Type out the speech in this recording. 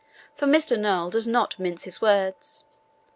For Mr. Noel does not mince his words.